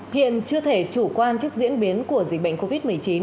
hiện chưa thể chủ quan trước diễn biến của dịch bệnh covid một mươi chín